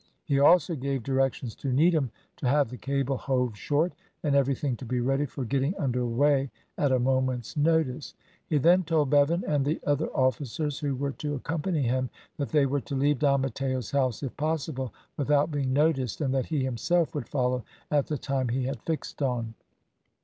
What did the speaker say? He also gave directions to Needham to have the cable hove short, and everything to be ready for getting under weigh at a moment's notice. He then told Bevan and the other officers who were to accompany him that they were to leave Don Matteo's house, if possible, without being noticed, and that he himself would follow at the time he had fixed on.